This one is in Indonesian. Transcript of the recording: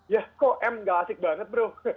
ya kok m gak asik banget bro